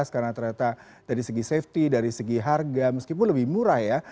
karena ternyata dari segi safety dari segi harga meskipun lebih murah ya